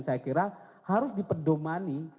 saya kira harus dipedomani